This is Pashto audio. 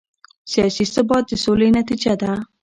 سیاسي ثبات د سولې نتیجه ده